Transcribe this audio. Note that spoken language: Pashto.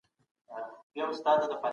له هر ډول سپکاوي څخه ډډه کوئ.